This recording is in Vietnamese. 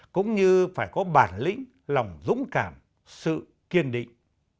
cũng như phải có bản lĩnh lòng dũng cảm sự kiên định